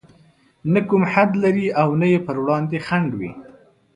نه کوم حد لري او نه يې پر وړاندې خنډ وي.